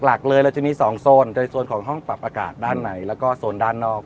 หลักเลยเราจะมี๒โซนโดยโซนของห้องปรับอากาศด้านในแล้วก็โซนด้านนอก